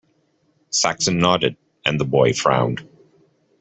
Saxon nodded, and the boy frowned.